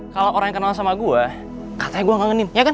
kalau orang yang kenalan sama gue katanya gue yang ngangin ya kan